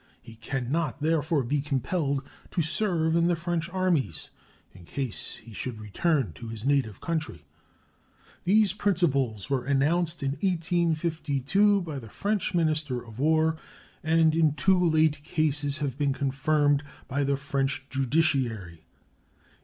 He can not therefore be compelled to serve in the French armies in case he should return to his native country. These principles were announced in 1852 by the French minister of war and in two late cases have been confirmed by the French judiciary.